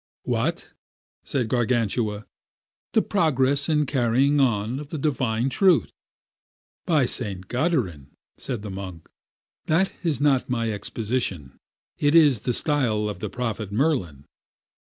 What? said Gargantua, the progress and carrying on of the divine truth. By St. Goderan, said the monk, that is not my exposition. It is the style of the prophet Merlin.